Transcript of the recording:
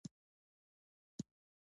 خر بیا په سیند کې وغورځید.